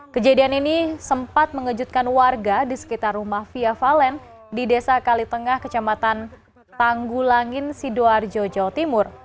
kejadian ini sempat mengejutkan warga di sekitar rumah fia valen di desa kalitengah kecamatan tanggulangin sidoarjo jawa timur